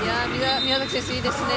宮崎選手、いいですね。